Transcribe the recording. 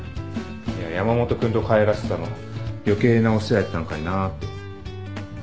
いや山本君と帰らせたの余計なお世話やったんかいなって。